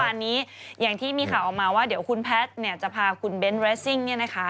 ตอนนี้อย่างที่มีข่าวออกมาว่าเดี๋ยวคุณแพทย์จะพาคุณเบ้นเรสซิ่ง